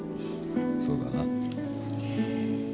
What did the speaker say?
そうだな。